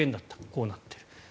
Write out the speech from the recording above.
こうなっている。